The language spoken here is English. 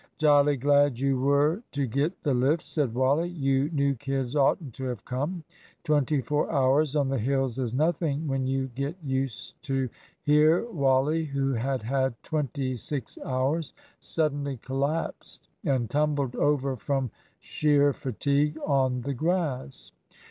"Jolly glad you were to get the lift," said Wally. "You new kids oughtn't to have come. Twenty four hours on the hills is nothing when you get used to " Here Wally (who had had twenty six hours) suddenly collapsed and tumbled over from sheer fatigue on the grass.